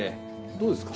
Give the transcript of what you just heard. どうですか？